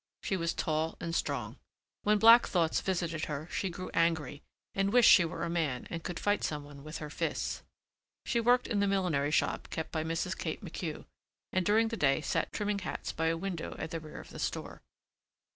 She was tall and strong. When black thoughts visited her she grew angry and wished she were a man and could fight someone with her fists. She worked in the millinery shop kept by Mrs. Kate McHugh and during the day sat trimming hats by a window at the rear of the store.